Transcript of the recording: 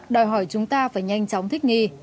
đòi hỏi chúng ta phải nhanh chóng thích nghi